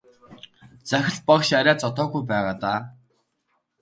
Захирал багш арай зодоогүй байгаа даа.